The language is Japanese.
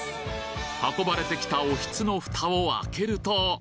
運ばれてきたおひつのふたを開けると。